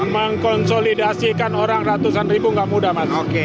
mengkonsolidasikan orang ratusan ribu gak mudah mas